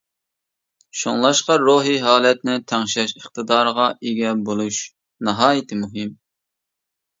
شۇڭلاشقا، روھىي ھالەتنى تەڭشەش ئىقتىدارىغا ئىگە بولۇش ناھايىتى مۇھىم.